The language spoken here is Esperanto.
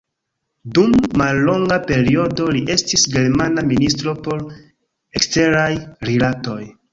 Dum mallonga periodo li estis germana ministro por Eksteraj Rilatoj.